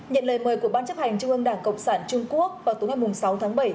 nhận lời mời của ban chấp hành trung ương đảng cộng sản trung quốc vào tối ngày sáu tháng bảy